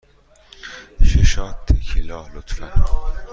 سه شات تکیلا، لطفاً.